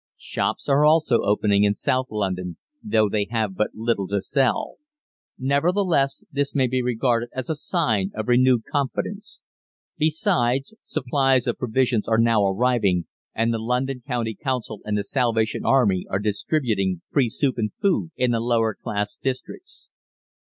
"Shops are also opening in South London, though they have but little to sell. Nevertheless, this may be regarded as a sign of renewed confidence. Besides, supplies of provisions are now arriving, and the London County Council and the Salvation Army are distributing free soup and food in the lower class districts.